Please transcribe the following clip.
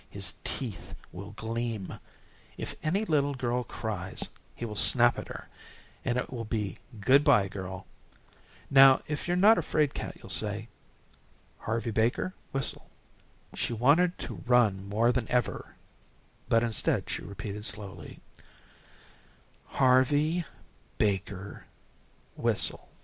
His teeth will gleam. If any little girl cries, he will snap at her, and it will be good bye girl. Now, if you are not a fraid cat you'll say, 'Harvey Baker, whistle.'" She wanted to run more than ever, but instead she repeated slowly: "Harvey Baker, whistle."